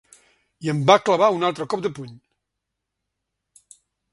I em va clavar un altre cop de puny.